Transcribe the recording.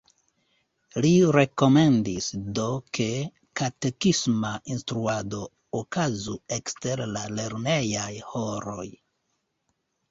Li rekomendis, do, ke katekisma instruado okazu ekster la lernejaj horoj.